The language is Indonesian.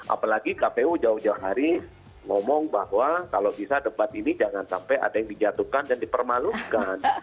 apalagi kpu jauh jauh hari ngomong bahwa kalau bisa debat ini jangan sampai ada yang dijatuhkan dan dipermalukan